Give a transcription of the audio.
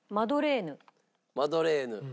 マドレーヌ。